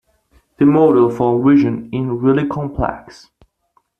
The model for vision in really complex.